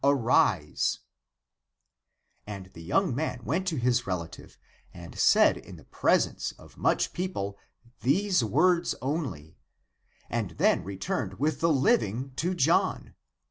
Arise !" And the young man went to his relative and said in the presence of much people these words only, and then returned with the living to John.